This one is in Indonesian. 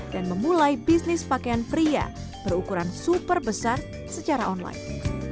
dan memulai bisnis pakaian pria berukuran super besar secara online